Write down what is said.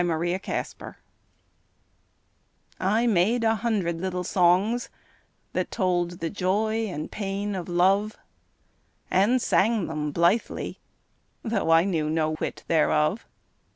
The Song Maker I made a hundred little songs That told the joy and pain of love, And sang them blithely, tho' I knew No whit thereof.